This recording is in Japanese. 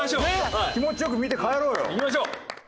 気持ち良く見て帰ろうよ。いきましょう！